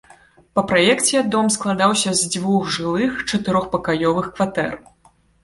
Па праекце дом складаўся з дзвюх жылых чатырохпакаёвых кватэр.